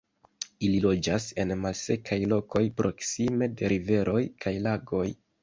Ili loĝas en malsekaj lokoj proksime de riveroj kaj lagoj.